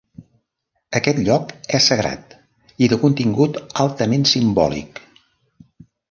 Aquest lloc és sagrat i de contingut altament simbòlic.